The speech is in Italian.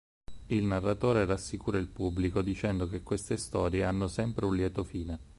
Il narratore rassicura il pubblico, dicendo che queste storie hanno sempre un lieto fine.